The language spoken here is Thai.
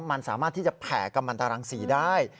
มันสามารถที่จะแผ่กำมันตรังสีได้